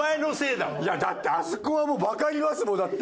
いやだってあそこはわかりますもんだって。